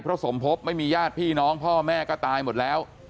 เพราะสมภพไม่มีญาติพี่น้องพ่อแม่ก็ตายหมดแล้ว